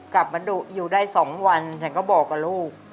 กลับมาดุอยู่ได้๒วันฉันก็บอกกับลูก